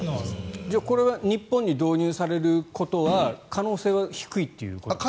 じゃあ、これは日本に導入されることは可能性は低いということですか？